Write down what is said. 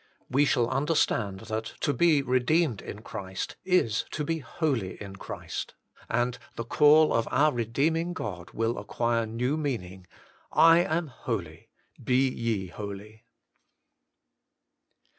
We shall understand that to be redeemed in Christ is to be holy in Christ, and the call of our redeeming God will acquire new meaning :' I am Iwly : be ye holy!